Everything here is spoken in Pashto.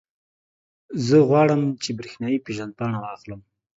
زه غواړم، چې برېښنایي پېژندپاڼه واخلم.